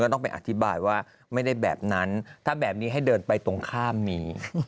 ต้องไปอธิบายว่าไม่ได้แบบนั้นถ้าแบบนี้ให้เดินไปตรงข้ามมี